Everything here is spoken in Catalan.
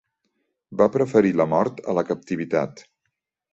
Va preferir la mort a la captivitat.